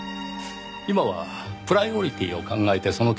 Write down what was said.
今はプライオリティーを考えてその件には触れないだけ。